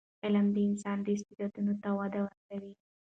علم د انسان استعدادونو ته وده ورکوي.